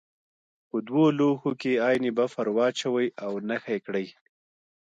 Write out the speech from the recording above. په دوه لوښو کې عین بفر واچوئ او نښه یې کړئ.